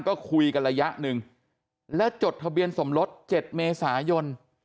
ก็คุยกันระยะหนึ่งและจดทะเบียนสมรส๗เมษายน